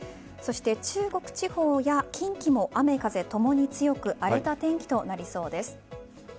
中国地方や近畿も雨風ともに強く荒れた天気となりそうです。